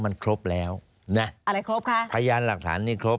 มันครบแล้วนะอะไรครบคะพยานหลักฐานนี่ครบ